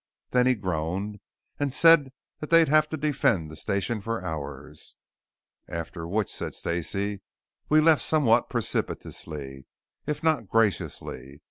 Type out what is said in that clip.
"Then he groaned and said that they'd have to defend the station for hours." "After which," said Stacey, "we left somewhat precipitously, if not graciously.